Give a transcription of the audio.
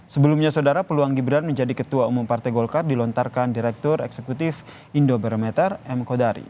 sebelumnya saudara peluang gibran menjadi ketua umum partai golkar dilontarkan direktur eksekutif indobarometer m kodari